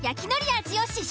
味を試食。